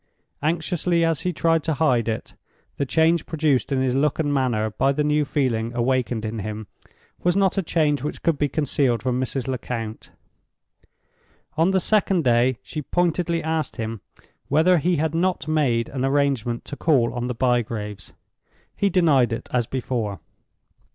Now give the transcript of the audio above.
Anxiously as he tried to hide it, the change produced in his look and manner by the new feeling awakened in him was not a change which could be concealed from Mrs. Lecount. On the second day she pointedly asked him whether he had not made an arrangement to call on the Bygraves. He denied it as before.